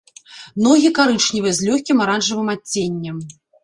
Ногі карычневыя з лёгкім аранжавым адценнем.